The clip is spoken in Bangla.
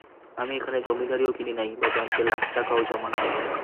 আমি এখানে জমিদারীও কিনি নাই, বা ব্যাঙ্কে লাখ টাকাও জমা নাই।